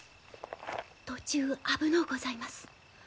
途中危のうございます。